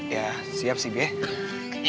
ya siap sibi